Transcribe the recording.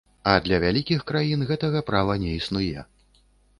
А для вялікіх краін гэтага права не існуе.